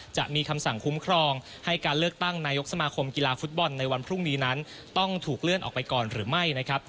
จะมีคำสั่งคุ้มครองให้การเลือกตั้งนายกสมาคมกีฬาฟุตบอลในวันพรุ่งนี้นั้นต้องถูกเลื่อนออกไปก่อนหรือไม่นะครับ